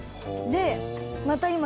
でまた今。